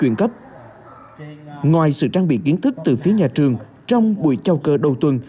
ngoài sự trang bị kiến thức từ phía nhà trường trong buổi châu cơ đầu tuần